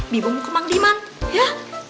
bimbung ke mang diman ya